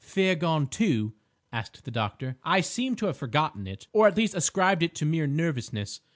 "Fear gone, too?" asked the doctor. "I seemed to have forgotten it, or at least ascribed it to mere nervousness.